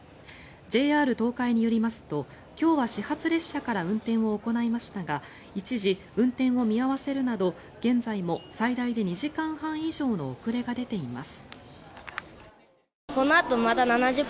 ＪＲ東海によりますと今日は始発列車から運転を行いましたが一時、運転を見合わせるなど現在も最大で２時間半以上の遅れが出ています。